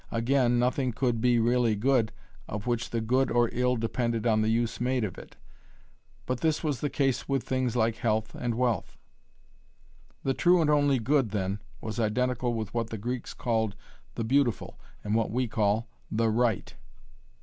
Again, nothing could be really good of which the good or ill depended on the use made of it, but this was the case with things like health and wealth. The true and only good then was identical with what the Greeks called 'the beautiful' and what we call 'the right'.